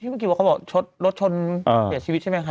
ที่เมื่อกี้ว่าเขาบอกรถชนเสียชีวิตใช่ไหมครับ